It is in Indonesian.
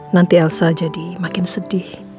nanti elsa jadi makin sedih